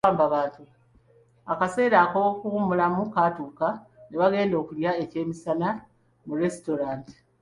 Akaseera ak'okuwummulamu kaatuuka ne bagenda okulya ekyemisana mu lesitulanta.